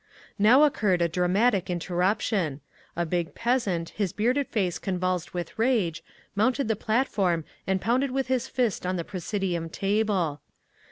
Now occurred a dramatic interruption. A big peasant, his bearded face convulsed with rage, mounted the platform and pounded with his fist on the presidium table.